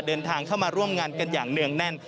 เดินทางเข้ามาร่วมงานกันอย่างเนื่องแน่น